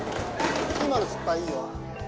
今の失敗いいよ。